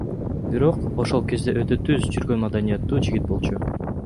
Бирок ошол кезде өтө түз жүргөн, маданияттуу жигит болчу.